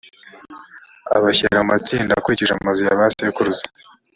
abashyira mu matsinda akurikije amazu ya ba sekuruza